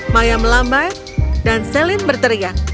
maya melambai dan celine berteriak